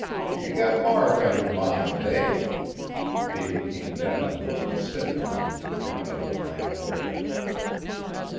"Ye got Mark on yer mind, eh?" Davy came down to the little sitting room and turned up the lamp wick.